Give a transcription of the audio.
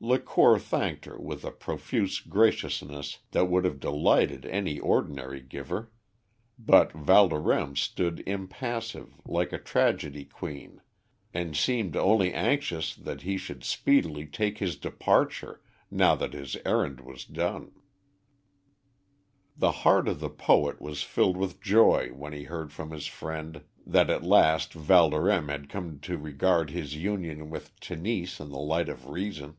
Lacour thanked her with a profuse graciousness that would have delighted any ordinary giver, but Valdorême stood impassive like a tragedy queen, and seemed only anxious that he should speedily take his departure, now that his errand was done. The heart of the poet was filled with joy when he heard from his friend that at last Valdorême had come to regard his union with Tenise in the light of reason.